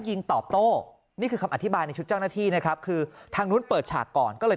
ยิงตอบโต้นี่คือคำอธิบายในชุดเจ้าหน้าที่นะครับคือทางนู้นเปิดฉากก่อนก็เลย